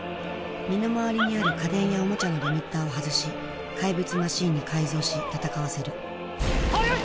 身の回りにある家電やおもちゃのリミッターを外し怪物マシンに改造し戦わせる速い！